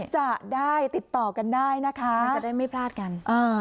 จะได้ติดต่อกันได้นะคะจะได้ไม่พลาดกัน